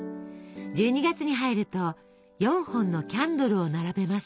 １２月に入ると４本のキャンドルを並べます。